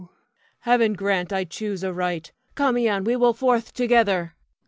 Heaven grant I choose aright! Come Ion, we will forth together.